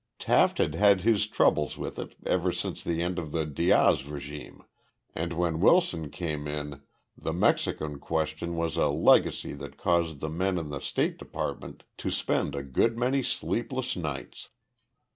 Taft had had his troubles with it ever since the end of the Diaz regime, and when Wilson came in the "Mexican question" was a legacy that caused the men in the State Department to spend a good many sleepless nights.